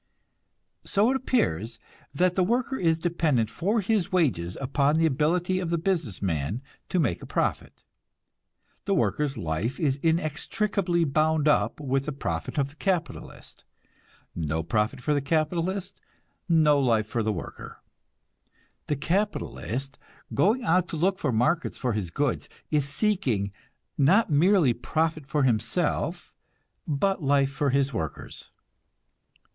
So it appears that the worker is dependent for his wages upon the ability of the business man to make a profit. The worker's life is inextricably bound up with the profit of the capitalist no profit for the capitalist, no life for the worker. The capitalist, going out to look for markets for his goods, is seeking, not merely profit for himself, but life for his workers.